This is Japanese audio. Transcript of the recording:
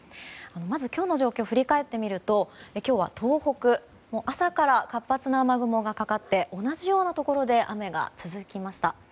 まず今日の状況振り返ってみると今日は東北朝から活発な雨雲がかかって同じようなところで雨が続きました。